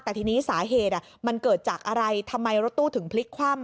แต่ทีนี้สาเหตุมันเกิดจากอะไรทำไมรถตู้ถึงพลิกคว่ำ